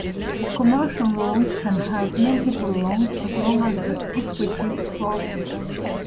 Commercial loans can have multiple loans as long as the equity supports it.